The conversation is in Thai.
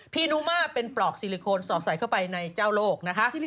นุมาเป็นปลอกซิลิโคนสอดใส่เข้าไปในเจ้าโลกนะคะ